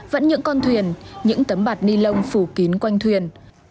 vẫn những con thuyền những tấm bạt ni lông phủ kín quanh thuyền